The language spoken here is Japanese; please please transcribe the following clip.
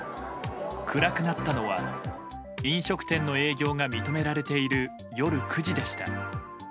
暗くなったのは飲食店の営業が認められている夜９時でした。